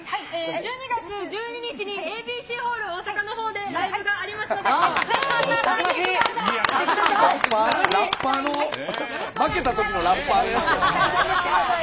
１２月１２日にＡＢＣホール大阪のほうで、ライブがありますので、全員来てください。